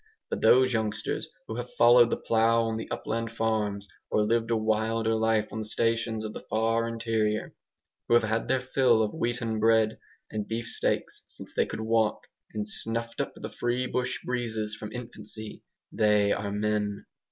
But those youngsters who have followed the plough on the upland farms, or lived a wilder life on the stations of the far interior, who have had their fill of wheaten bread and beefsteaks since they could walk, and snuffed up the free bush breezes from infancy, they are MEN.